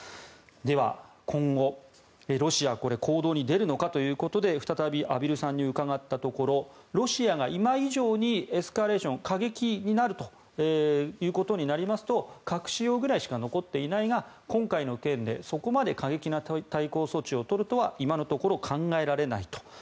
では今後、ロシア行動に出るのかということで再び畔蒜さんに伺ったところロシアが今以上にエスカレーション、過激になるということになりますと核使用ぐらいしか残っていないが今回の件でそこまで過激な対抗措置を取るとは今のところ考えられないと。